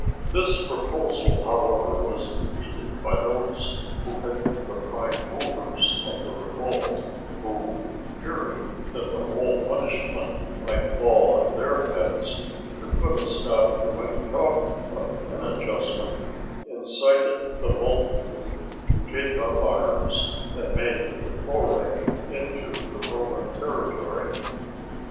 This proposal, however, was defeated by those who had been the prime movers of the revolt, who, fearing that the whole punishment might fall on their heads, to put a stop to any talk of an adjustment, incited the multitude to take up arms and make a foray into the Roman territory.